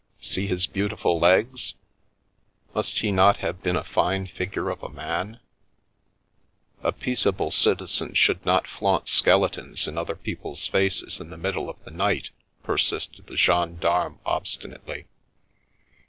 See his beautiful legs ! Must he not have been a fine figure of a man ?"" A peaceable citizen should not flaunt skeletons in other people's faces in the middle of the night," per sisted the gendarme obstinately.